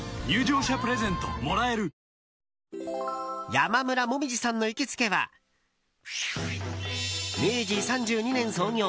山村紅葉さんの行きつけは明治３２年創業